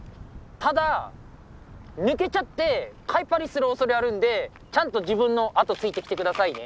ただ抜けちゃって「かいぱり」するおそれあるんでちゃんと自分のあとついてきて下さいね。